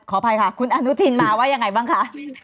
อภัยค่ะคุณอนุทินมาว่ายังไงบ้างคะ